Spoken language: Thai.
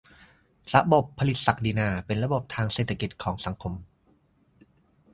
ระบบผลิตศักดินาเป็นระบบทางเศรษฐกิจของสังคม